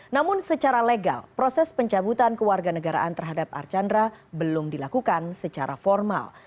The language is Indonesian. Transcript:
namun secara legal proses pencabutan kewarganegaraan terhadap archandra belum dilakukan secara formal